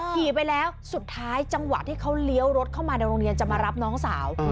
ขี่ไปแล้วสุดท้ายจังหวะที่เขาเลี้ยวรถเข้ามาในโรงเรียนจะมารับน้องสาว